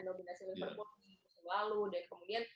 dominasi liverpool di walu dan kemudian